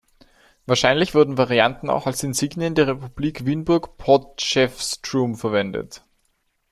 Wahrscheinlich wurden Varianten auch als Insignien der Republik Winburg-Potchefstroom verwendet.